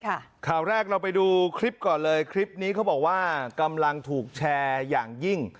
ข่าวแรกเราไปดูคลิปก่อนเลยคลิปนี้เขาบอกว่ากำลังถูกแชร์อย่างยิ่ง